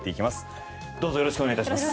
どうぞよろしくお願い致します。